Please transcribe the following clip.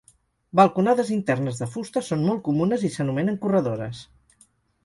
Balconades internes de fusta són molt comunes i s'anomenen corredores.